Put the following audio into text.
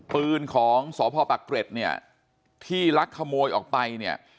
ปืนของสพปักเกร็ดเนี่ยที่ลักขโมยออกไปเนี่ย